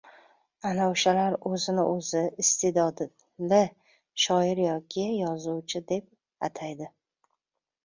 Ana o‘shalar o‘zini o‘zi iste’dodli shoir yoki yozuvchi deb ataydi.